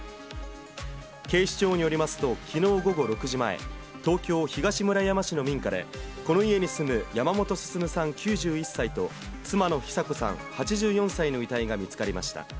警視庁によりますと、きのう午後６時前、東京・東村山市の民家で、この家に住む山本晋さん９１歳と、妻の久子さん８４歳の遺体が見つかりました。